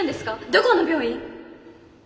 どこの病院？